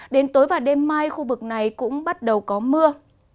đến tối và đêm mai khu vực này cũng bắt đầu có mưa